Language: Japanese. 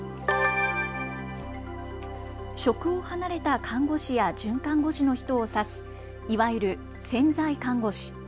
職を離れた看護師や准看護師の人を指すいわゆる潜在看護師。